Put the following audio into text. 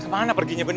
kemana perginya bening